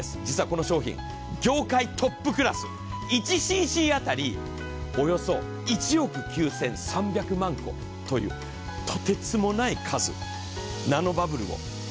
実はこの商品業界トップクラス１シーシーあたりおよそ１億９３００万個というとてつもない数ナノバブルを。